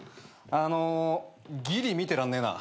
あのギリ見てらんねえな。